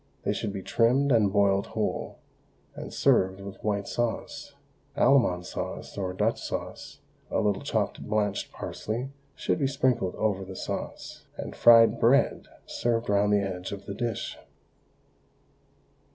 They should be trimmed and boiled whole, and served with white sauce, Allemande sauce, or Dutch sauce; a little chopped blanched parsley should be sprinkled over the sauce, and fried bread served round the edge of the dish.